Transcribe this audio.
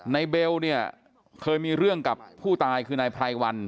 เบลเนี่ยเคยมีเรื่องกับผู้ตายคือนายไพรวัน